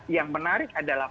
yang menarik adalah